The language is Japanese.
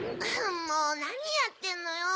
もうなにやってんのよ！